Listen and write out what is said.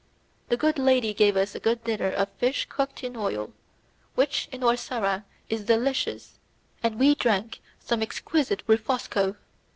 The good lady gave us a good dinner of fish cooked in oil, which in Orsara is delicious, and we drank some exquisite refosco.